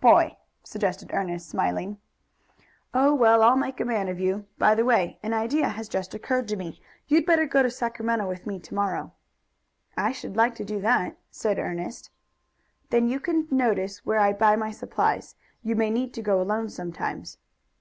"Boy," suggested Ernest, smiling. "Oh, well, I'll make a man of you. By the way, an idea has just occurred to me. You'd better go to Sacramento with me to morrow." "I should like to do it," said Ernest. "Then you can notice where I buy my supplies. You may need to go alone sometimes."